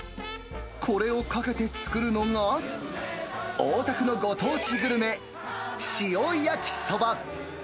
これをかけて作るのが大田区のご当地グルメ、汐焼きそば。